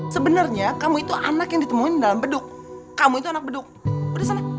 sebenarnya kamu itu anak yang ditemuin dalam beduk kamu itu anak beduk di sana